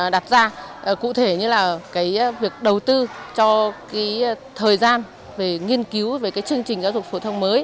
đặt ra cụ thể như là cái việc đầu tư cho thời gian về nghiên cứu về cái chương trình giáo dục phổ thông mới